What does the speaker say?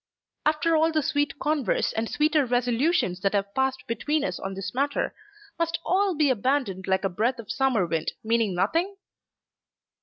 "After all the sweet converse and sweeter resolutions that have passed between us on this matter, must all be abandoned like a breath of summer wind, meaning nothing?"